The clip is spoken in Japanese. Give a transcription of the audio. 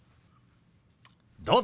どうぞ。